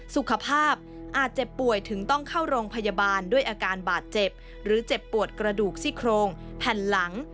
สุขภาพอาจเจ็บป่วยถึงต้องเข้าโรงพยาบาลด้วยอาการบาดเจ็บหรือเจ็บปวดกระดูกซี่โครงแผ่นหลัง